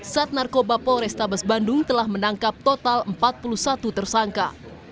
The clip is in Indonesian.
sat narkoba polrestabes bandung telah menangkap total empat puluh satu tersangka